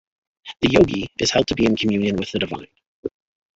The yogi is held to be in communion with the divine.